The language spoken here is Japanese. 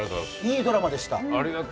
いいドラマでした。